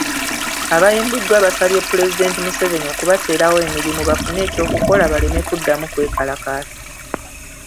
Abayimbuddwa basabye pulezidenti Museveni okubateerawo emirimu bafune eky'okukola baleme kuddamu kwekalakaasa.